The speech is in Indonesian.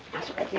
masuk aja ya